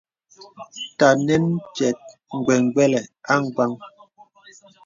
Tə̀ ànɛn m̀pyɛ̄t gbə̀gbə̀lə̀ àgbāŋ.